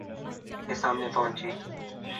کے سامنے پہنچی